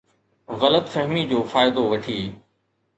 غلط فهمي جو فائدو وٺي